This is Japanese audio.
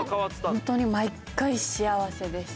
ホントに毎回幸せです。